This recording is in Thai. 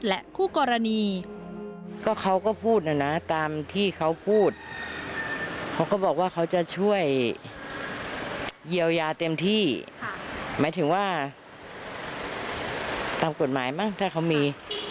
และผู้กรณี